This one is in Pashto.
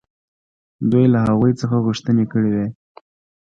دوی له هغوی څخه غوښتنې کړې وې.